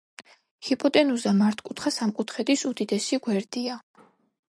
ჰიპოტენუზა მართკუთხა სამკუთხედის უდიდესი გვერდია.